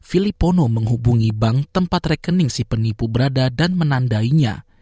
filip pono menghubungi bank tempat rekening si penipu berada dan menandainya